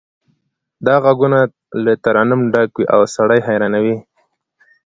دا غږونه له ترنمه ډک وي او سړی حیرانوي